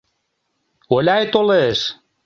Оляй толеш!..